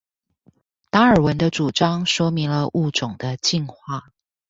達爾文的主張說明了物種的進化